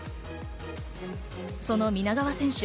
その皆川選手。